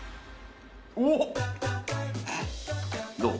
どう？